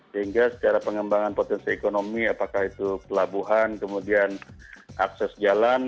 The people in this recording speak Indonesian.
sehingga secara pengembangan potensi ekonomi apakah itu pelabuhan kemudian akses jalan